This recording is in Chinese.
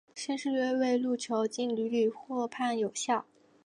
先是越位入球竟屡屡获判有效。